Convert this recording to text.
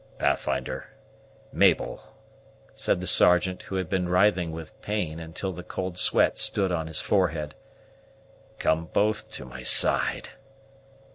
"Pathfinder Mabel!" said the Sergeant, who had been writhing with pain until the cold sweat stood on his forehead; "come both to my side.